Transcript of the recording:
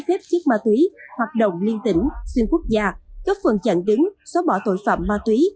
sản phẩm ma túy hoạt động liên tĩnh xuyên quốc gia các phần chặn đứng xóa bỏ tội phạm ma túy